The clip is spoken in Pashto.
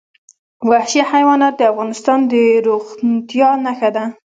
وحشي حیوانات د افغانستان د زرغونتیا نښه ده.